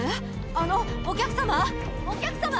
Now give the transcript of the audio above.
あのお客様お客様！